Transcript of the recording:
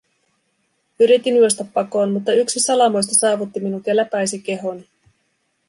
Yritin juosta pakoon, mutta yksi salamoista saavutti minut ja läpäisi kehoni.